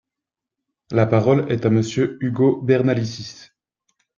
La parole est à Monsieur Ugo Bernalicis.